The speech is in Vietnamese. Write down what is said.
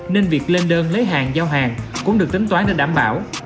nên việc lên đơn lấy hàng giao hàng cũng được tính toán để đảm bảo